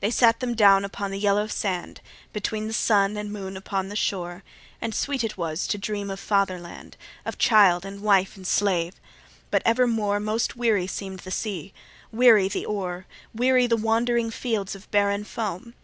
They sat them down upon the yellow sand, Between the sun and moon upon the shore; And sweet it was to dream of Father land, Of child, and wife, and slave; but evermore Most weary seem'd the sea, weary the oar, Weary the wandering fields of barren foam.